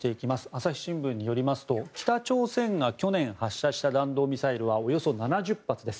朝日新聞によりますと北朝鮮が去年発射した弾道ミサイルはおよそ７０発です。